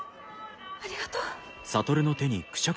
ありがとう。